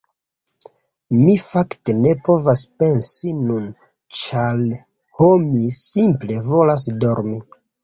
Mi fakte ne povas pensi nun, ĉar... ho mi simple volas dormi.